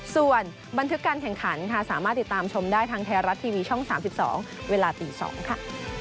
ส่วนบันทึกการแข่งขันค่ะสามารถติดตามชมได้ทางไทยรัฐทีวีช่อง๓๒เวลาตี๒ค่ะ